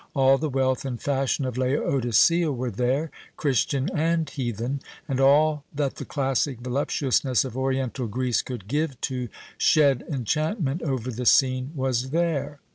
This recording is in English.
All the wealth and fashion of Laodicea were there, Christian and heathen; and all that the classic voluptuousness of Oriental Greece could give to shed enchantment over the scene was there.